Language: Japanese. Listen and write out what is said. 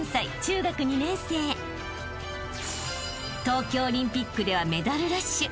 ［東京オリンピックではメダルラッシュ］